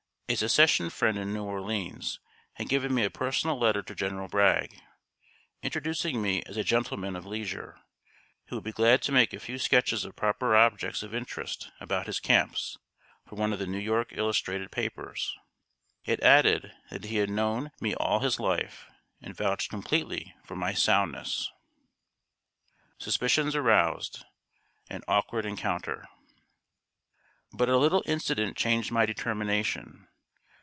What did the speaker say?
A Secession friend in New Orleans had given me a personal letter to General Bragg, introducing me as a gentleman of leisure, who would be glad to make a few sketches of proper objects of interest about his camps, for one of the New York illustrated papers. It added that he had known me all his life, and vouched completely for my "soundness." [Sidenote: SUSPICIONS AROUSED AN AWKWARD ENCOUNTER.] But a little incident changed my determination.